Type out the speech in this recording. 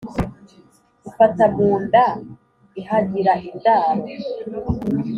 ifata mu nda ihagira indaro.